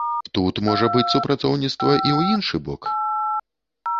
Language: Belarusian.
Тут можа быць супрацоўніцтва і ў іншы бок.